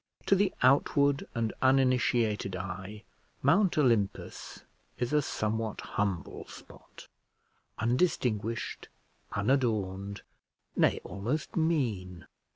To the outward and uninitiated eye, Mount Olympus is a somewhat humble spot, undistinguished, unadorned, nay, almost mean.